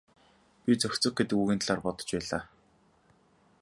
Би зохицох гэдэг үгийн талаар бодож байлаа.